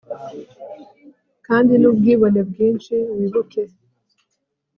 kandi, n'ubwibone bwinshi wibuke